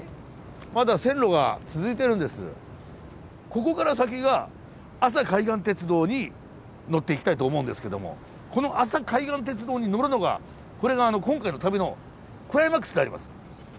ここから先が阿佐海岸鉄道に乗っていきたいと思うんですけどもこの阿佐海岸鉄道に乗るのがこれが今回の旅のクライマックスであります。